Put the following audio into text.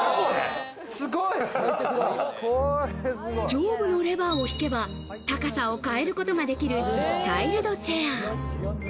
上部のレバーを引けば、高さを変えることができるチャイルドチェア。